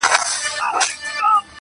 په خبر سو معامیلې دي نوري نوري-